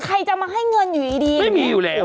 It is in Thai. ใครจะมาให้เงินอยู่ดีไม่มีอยู่แล้ว